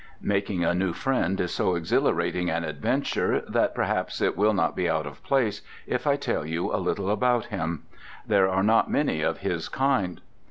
Making a new friend is so exhilarating an adventure that perhaps it will not be out of place if I tell you a little about him. There are not many of his kind.